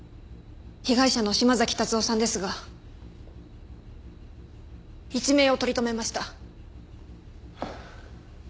被害者の島崎達夫さんですが一命を取り留めました。